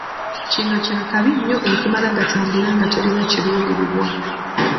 Kino kya kabi nnyo okumala gatambula nga tolina kiruubirirwa.